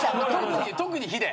特にヒデ。